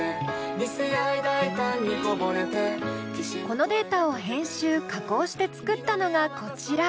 このデータを編集加工して作ったのがこちら。